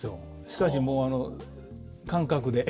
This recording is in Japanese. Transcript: しかしもう感覚で。